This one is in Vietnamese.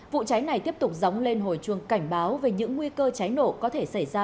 vụ cháy này tiếp tục dóng lên hồi chuông cảnh báo về những nguy cơ cháy nổ có thể xảy ra